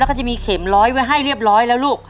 แล้วก็จะมีเข็มร้อยไว้ให้เรียบร้อยแล้วลูก